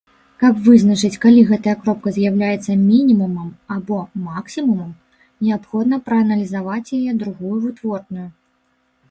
Каб вызначыць, калі гэтая кропка з'яўляецца мінімумам або максімумам, неабходна прааналізаваць яе другую вытворную.